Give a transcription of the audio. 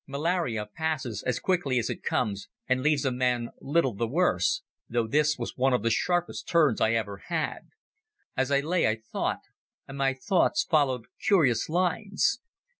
Malaria passes as quickly as it comes and leaves a man little the worse, though this was one of the sharpest turns I ever had. As I lay I thought, and my thoughts followed curious lines.